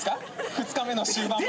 ２日目の終盤まで？